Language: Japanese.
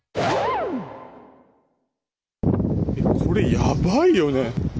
これやばいよね。